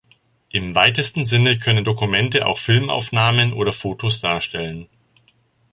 Im weitesten Sinne können Dokumente auch Filmaufnahmen oder Fotos darstellen.